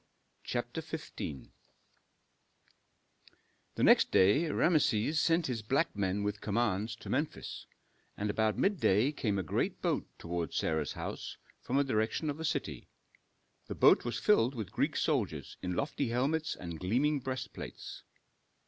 CHAPTER XV The next day Rameses sent his black men with commands to Memphis, and about midday came a great boat toward Sarah's house from the direction of the city. The boat was filled with Greek soldiers in lofty helmets and gleaming breastplates.